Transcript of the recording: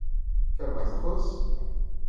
Quer mais arroz?